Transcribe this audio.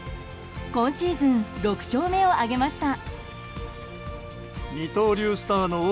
今シーズン６勝目を挙げました。